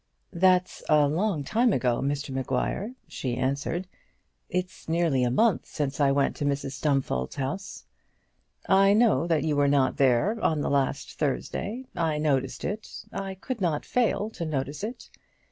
"That's a long time ago, Mr Maguire," she answered. "It's nearly a month since I went to Mrs Stumfold's house." "I know that you were not there on the last Thursday. I noticed it. I could not fail to notice it.